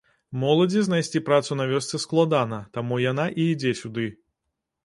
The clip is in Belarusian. Моладзі знайсці працу на вёсцы складана, таму яна і ідзе сюды.